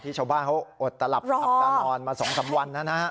ที่ชาวบ้านเขาอดตระหลับอัปดาห์นอนมา๒๓วันนะนะ